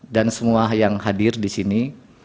dan semua yang hadir di sini